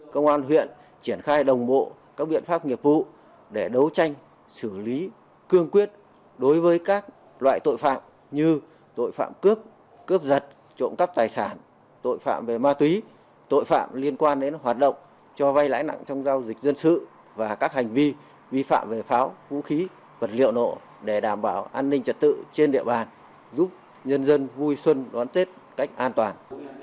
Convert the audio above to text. công an huyện triển khai đồng bộ các biện pháp nghiệp vụ để đấu tranh xử lý cương quyết đối với các loại tội phạm như tội phạm cướp cướp giật trộm cắp tài sản tội phạm về ma túy tội phạm liên quan đến hoạt động cho vay lãi nặng trong giao dịch dân sự và các hành vi vi phạm về pháo vũ khí vật liệu nộ để đảm bảo an ninh trật tự trên địa bàn giúp nhân dân vui xuân đón tết cách an toàn